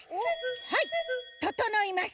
はいととのいました。